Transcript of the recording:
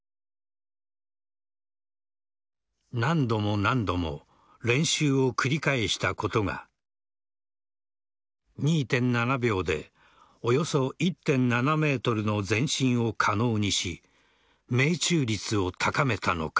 何度も何度も練習を繰り返したことが２．７秒でおよそ１．７ｍの前進を可能にし命中率を高めたのか。